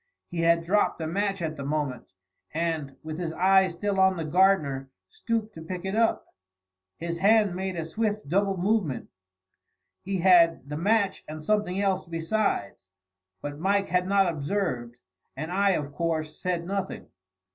He had dropped a match at the moment, and, with his eye still on the gardener, stooped to pick it up. His hand made a swift, double movement, he had the match and something else besides; but Mike had not observed, and I, of course, said nothing.